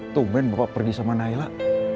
tungguin bapak pergi sama nailah